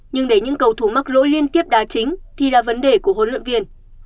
nhưng để những cầu thủ mắc lỗi liên tiếp đá chính thì là vấn đề của hội lâm viên